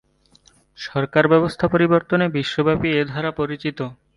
সরকার ব্যবস্থা পরিবর্তনে বিশ্বব্যাপী এ ধারা পরিচিত।